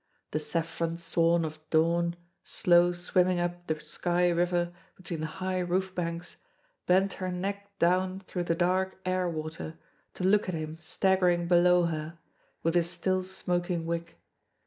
The saffron swan of dawn, slow swimming up the sky river between the high roof banks, bent her neck down through the dark air water to look at him staggering below her, with his still smoking wick.